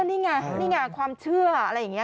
นี่ไงนี่ไงความเชื่ออะไรอย่างนี้